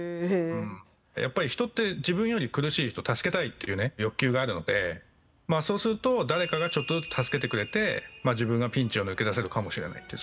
やっぱり人って自分より苦しい人助けたいっていうね欲求があるのでそうすると誰かがちょっとずつ助けてくれて自分がピンチを抜け出せるかもしれないという。